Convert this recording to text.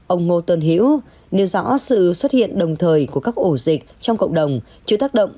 ông ngô tôn hiễu điều rõ sự xuất hiện đồng thời của các ổ dịch trong cộng đồng chưa tác động